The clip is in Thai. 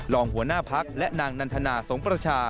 รองหัวหน้าพักและนางนันทนาสงประชา